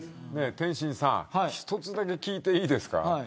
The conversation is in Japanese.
天心さん１つだけ聞いていいですか。